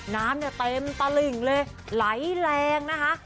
น้ำเนี่ยเต็มตะหลิ่งเลยไหลแรงนะคะ